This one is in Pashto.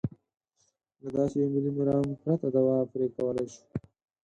له داسې یوه ملي مرام پرته دوا پرې کولای شو.